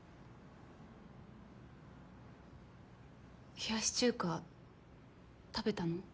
冷やし中華食べたの？